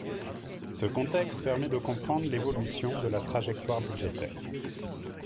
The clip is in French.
Ce contexte permet de comprendre l’évolution de la trajectoire budgétaire.